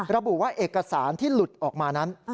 ระบุว่าเอกสารที่หลุดออกมานั้น